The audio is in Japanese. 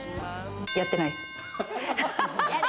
やってないです。